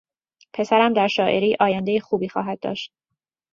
پسرم در شاعری آیندهی خوبی خواهد داشت.